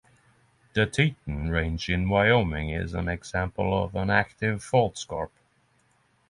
The Teton Range in Wyoming is an example of an active fault scarp.